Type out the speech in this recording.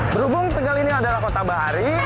berhubung tegal ini adalah kota bahari